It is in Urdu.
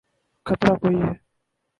خطرہ کوئی ہے۔